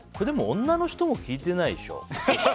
でも女の人も聞いてないでしょ。